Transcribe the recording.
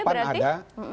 itu dan pan ada